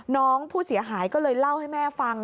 น้องผู้เสียหายก็เลยเล่าให้แม่ฟัง